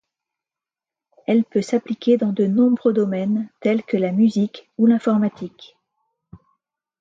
Elle peut s'appliquer dans de nombreux domaines, tels que la musique ou l'informatique.